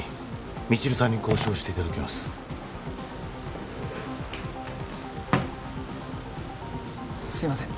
未知留さんに交渉していただきますすいません